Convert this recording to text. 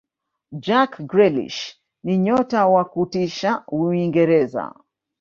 jack grielish ni nyota wa kutisha uingereza